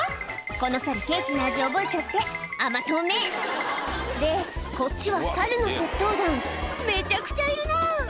このサルケーキの味覚えちゃって甘党めでこっちはサルの窃盗団めちゃくちゃいるなぁ！